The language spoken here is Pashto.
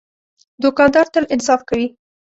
دوکاندار تل انصاف کوي.